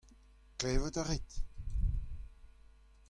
Klevet a rit ?